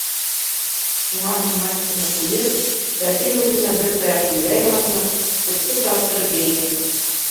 Шунан һуң мачтаны ҡуйып, гафель урынына бер таяҡты яйланы ла шкотты тарттырып бәйләне.